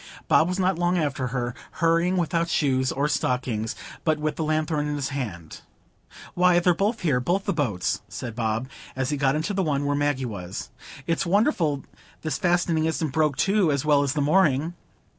Bob was not long after her, hurrying without shoes or stockings, but with the lanthorn in his hand. "Why, they're both here,—both the boats," said Bob, as he got into the one where Maggie was. "It's wonderful this fastening isn't broke too, as well as the mooring."